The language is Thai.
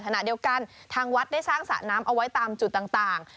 ขณะเดียวกันทางวัดได้สร้างสระน้ำเอาไว้ตามจุดต่าง